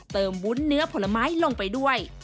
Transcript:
วุ้นเนื้อผลไม้ลงไปด้วย